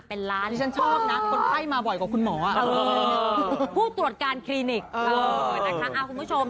เออฝุ่นชื่อจะมองชายของหมอลิทรแล้วอีกแปปแล้ว